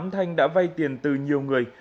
thanh đã vay tiền từ nhiều người